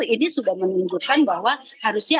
ini sudah menunjukkan bahwa harusnya